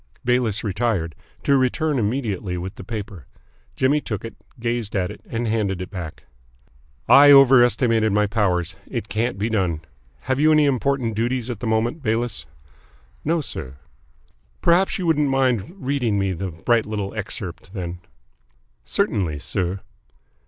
Bayliss retired, to return immediately with the paper. Jimmy took it, gazed at it, and handed it back. "I overestimated my powers. It can't be done. Have you any important duties at the moment, Bayliss?" "No, sir." "Perhaps you wouldn't mind reading me the bright little excerpt, then?" "Certainly, sir."